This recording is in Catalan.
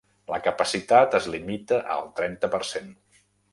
La capacitat es limita al trenta per cent.